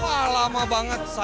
wah lama banget